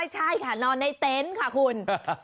ใช่ค่ะนอนในเต็นต์ค่ะคุณ